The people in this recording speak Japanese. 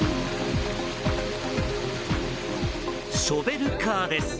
ショベルカーです。